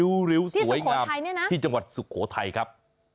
ที่สุโขทัยเนี่ยนะที่จังหวัดสุโขทัยครับที่สุโขทัยเนี่ยนะที่จังหวัดสุโขทัยครับ